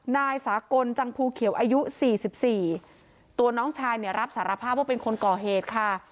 นายสากลจังภูเขียวอายุสี่สิบสี่ตัวน้องชายเนี่ยรับสารภาพว่าเป็นคนก่อเหตุค่ะ